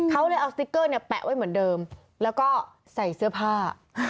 เขาเลยเอาสติ๊กเกอร์เนี่ยแปะไว้เหมือนเดิมแล้วก็ใส่เสื้อผ้า